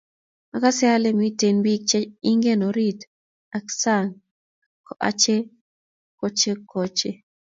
Akase ale mitei bik che ingen orit ak sang ko ache kochekoche